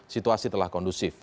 situasi telah kondusif